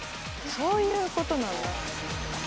そういうことなんだ。